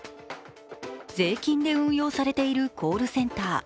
税金で運用されているコールセンター。